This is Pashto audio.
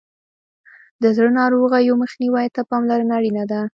د زړه ناروغیو مخنیوي ته پاملرنه اړینه ده.